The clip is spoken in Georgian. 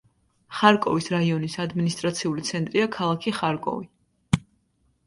ხარკოვის რაიონის ადმინისტრაციული ცენტრია ქალაქი ხარკოვი.